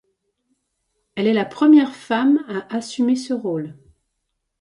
Elle est la première femme à assumer ce rôle.